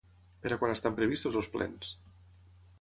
Per a quan estan previstos els plens?